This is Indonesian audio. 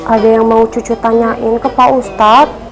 ada yang mau cucu tanyain ke pak ustadz